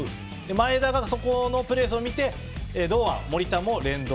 前田がそこのプレスを見て堂安、守田も連動。